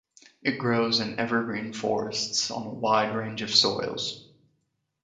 It grows in evergreen forests on a wide range of soils.